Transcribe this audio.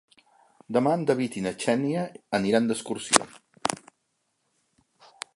Demà en David i na Xènia aniran d'excursió.